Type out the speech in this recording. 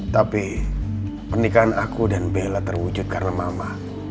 tapi pernikahan aku dan bella terwujud karena mama